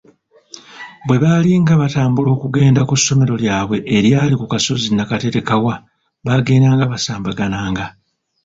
Bwe baalinga batambula okugenda ku ssomero lyabwe eryali ku kasozi Nnaakaterekawa, baagedanga basambagana nga